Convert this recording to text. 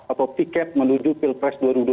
atau tiket menuju pilpres dua ribu dua puluh